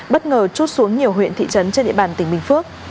bất ngờ chút xuống nhiều huyện thị trấn trên địa bàn tỉnh bình phước